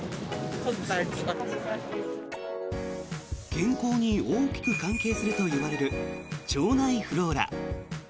健康に大きく関係するといわれる腸内フローラ。